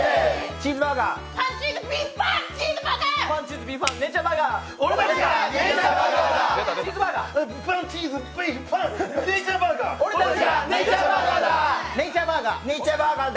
チーズバーガー！